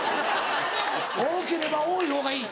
多ければ多いほうがいい。